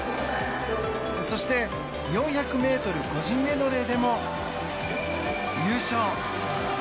そして４００ｍ個人メドレーでも優勝！